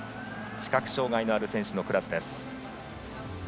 視覚障がいのある選手のクラス。